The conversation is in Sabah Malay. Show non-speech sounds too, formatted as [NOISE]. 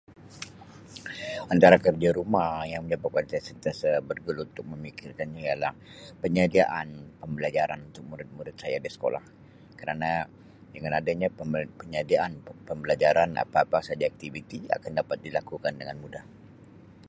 [NOISE] Antara kerja rumah yang menyebabkan saya sentiasa bergelut untuk memikirkannya ialah penyediaan pembelajaran untuk murid-murid saya di sekolah kerana dengan adanya pem-penyediaan pembelajaran apa-apa saja aktiviti akan dapat dilakukan dengan mudah.